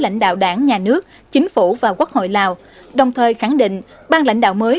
lãnh đạo đảng nhà nước chính phủ và quốc hội lào đồng thời khẳng định bang lãnh đạo mới